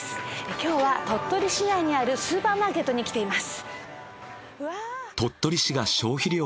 今日は鳥取市内にあるスーパーマーケットに来ています。